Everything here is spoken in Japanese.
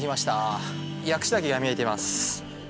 薬師岳が見えています。